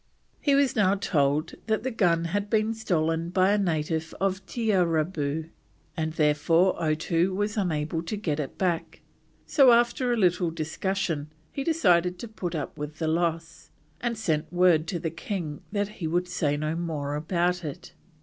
He was now told that the gun had been stolen by a native of Tiarabou, and therefore Otoo was unable to get it back, so after a little discussion he decided to put up with the loss, and sent word to the king that he would say no more about it.